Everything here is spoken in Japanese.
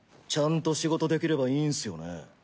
ちゃんと仕事できればいいんすよね。